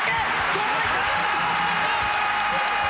届いたー！